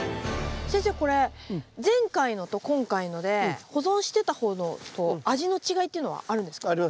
先生これ前回のと今回ので保存してた方のと味の違いっていうのはあるんですか？